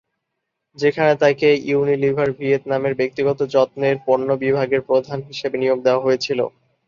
যেখানে তাঁকে ইউনিলিভার ভিয়েতনামের ব্যক্তিগত যত্নের পন্য বিভাগের প্রধান হিসেবে নিয়োগ দেওয়া হয়েছিল।